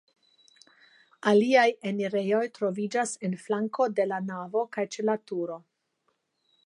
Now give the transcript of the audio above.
Aliaj enirejoj troviĝas en flanko de la navo kaj ĉe la turo.